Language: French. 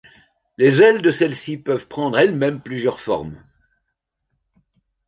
Les ailes de celle-ci peuvent prendre elles-mêmes plusieurs formes.